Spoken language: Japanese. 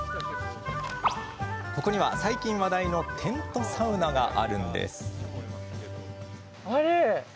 ここには、最近、話題のテントサウナがあるんです。